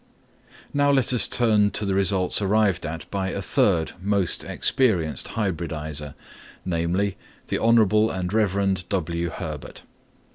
Now let us turn to the results arrived at by a third most experienced hybridiser, namely, the Hon. and Rev. W. Herbert.